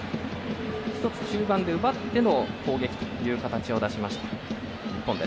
１つ、中盤で奪っての攻撃という形を出しました日本。